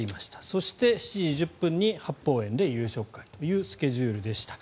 そして７時１０分に八芳園で夕食会というスケジュールでした。